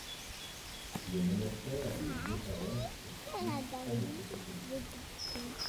Le monastère de Gochavank est situé tout près de cette localité.